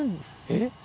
えっ？